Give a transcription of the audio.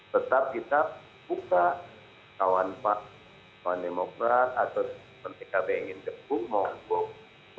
tetap kita buka kawan kawan demokrasi atau mereka pengen jepuk mau buka